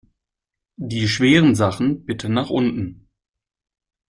Die schweren Sachen bitte nach unten!